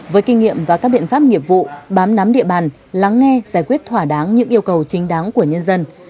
với kinh nghiệm và các biện pháp nghiệp vụ bám nắm địa bàn lắng nghe giải quyết thỏa đáng những yêu cầu chính đáng của nhân dân